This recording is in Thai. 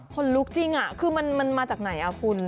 คนลุกจริงคือมันมาจากไหนคุณ